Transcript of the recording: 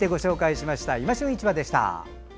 「いま旬市場」でした。